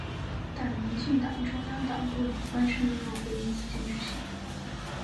但民进党中央党部完全没有回应此检举信。